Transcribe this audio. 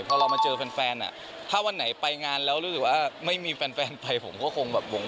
พอเรามาเจอแฟนอ่ะถ้าวันไหนไปงานแล้วรู้สึกว่าไม่มีแฟนไปผมก็คงแบบวง